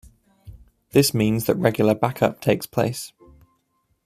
This means that regular backup takes place.